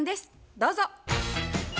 どうぞ。